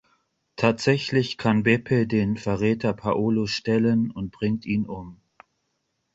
Tatsächlich kann Beppe den Verräter Paolo stellen und bringt ihn um.